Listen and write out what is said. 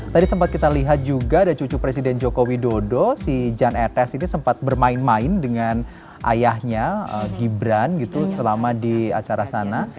tadi sempat kita lihat juga ada cucu presiden joko widodo si jan etes ini sempat bermain main dengan ayahnya gibran gitu selama di acara sana